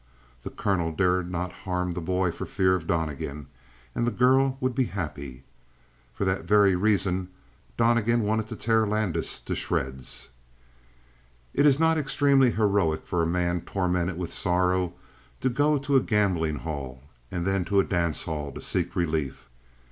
The colonel dared not harm the boy for fear of Donnegan; and the girl would be happy. For that very reason Donnegan wanted to tear Landis to shreds. It is not extremely heroic for a man tormented with sorrow to go to a gambling hall and then to a dance hall to seek relief.